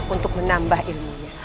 untuk menambah ilmunya